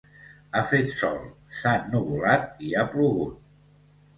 Ha fet sol, s'ha ennuvolat i ha plogut.